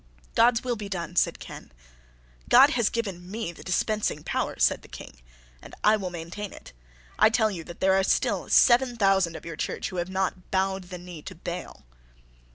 "God's will be done," said Ken. "God has given me the dispensing power," said the King, "and I will maintain it. I tell you that there are still seven thousand of your Church who have not bowed the knee to Baal."